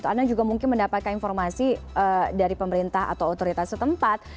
anda juga mungkin mendapatkan informasi dari pemerintah atau otoritas setempat